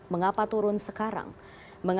mengapa turun sekarang